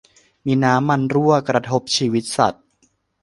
มีน้ำมันรั่ว กระทบชีวิตสัตว์